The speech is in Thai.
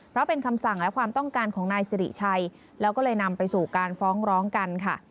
เพราะเป็นคำสั่งและความต้องการของนายสิริชัยแล้วก็เลยนำไปสู่การฟ้องร้องกันค่ะ